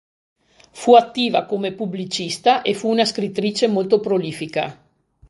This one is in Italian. Fu attiva come pubblicista e fu una scrittrice molto prolifica.